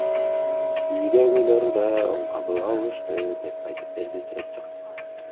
Үйдөгүлөр да оң кабыл алышты, — деп айтып берди сүрөтчү кыз.